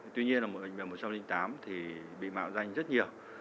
tuy nhiên là một bệnh viện một trăm linh tám thì bị mạo danh rất nhiều